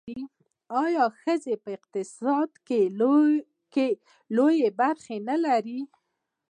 آیا ښځې په اقتصاد کې لویه برخه نلري؟